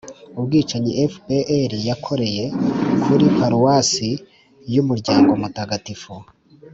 ubwicanyi fpr yakoreye kuri paruwasi y'umuryango mutagatifu